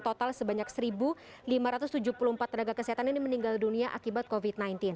total sebanyak satu lima ratus tujuh puluh empat tenaga kesehatan ini meninggal dunia akibat covid sembilan belas